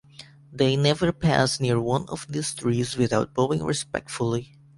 They never pass near one of these trees without bowing respectfully.